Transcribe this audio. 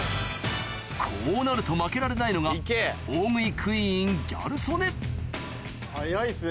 こうなると負けられないのが大食いクイーンギャル曽根早いっすね